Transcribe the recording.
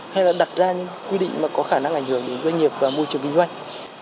hay là đặt ra những quy định mà có khả năng ảnh hưởng đến doanh nghiệp và môi trường kinh doanh